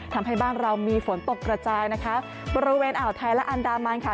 ทำให้บ้านเรามีฝนตกกระจายนะคะบริเวณอ่าวไทยและอันดามันค่ะ